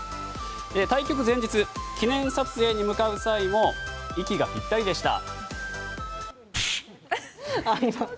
対局前日、記念撮影に向かう際も息ぴったりでした。